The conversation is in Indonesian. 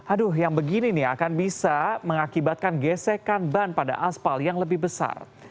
aduh yang begini nih akan bisa mengakibatkan gesekan ban pada aspal yang lebih besar